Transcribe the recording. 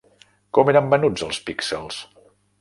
Com eren venuts els píxels?